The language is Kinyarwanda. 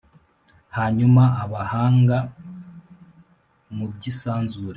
hanyuma abahanga mu by’isanzure